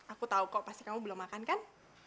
aku tahu kok pasti kamu belum makan kan